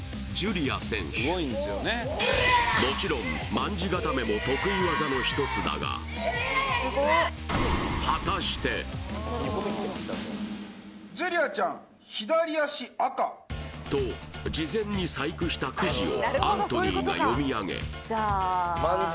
もちろん卍固めも得意技の一つだがと事前に細工したクジをアントニーが読み上げじゃあ